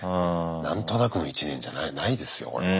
何となくの１年じゃないですよこれは。